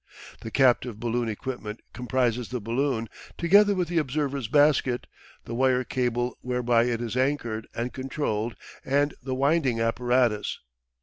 The captive balloon equipment comprises the balloon, together with the observer's basket, the wire cable whereby it is anchored and controlled, and the winding apparatus.